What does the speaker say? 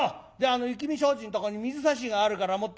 あの雪見障子のとこに水差しがあるから持ってこい。